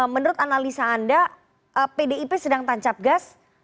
menurut analisa anda pdip sedang tancap gas